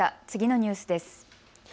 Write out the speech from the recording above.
次のニュースです。